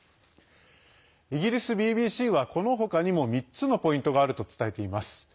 イギリスＢＢＣはこのほかにも３つのポイントがあると伝えています。